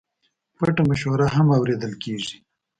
پټه مشوره هم اورېدل کېږي.